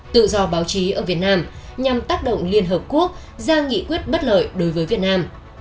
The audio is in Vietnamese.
tự do báo chí ở việt nam nhằm tác động liên hợp quốc ra nghị quyết bất lợi đối với việt nam